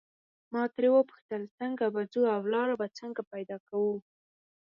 ما ترې وپوښتل څنګه به ځو او لاره به څنګه پیدا کوو.